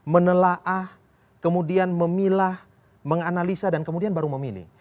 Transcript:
menelaah kemudian memilah menganalisa dan kemudian baru memilih